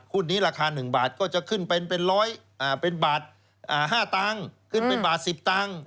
หุ้นนี้ราคา๑บาทก็จะขึ้นเป็นบาท๕ตังค์ขึ้นเป็นบาท๑๐ตังค์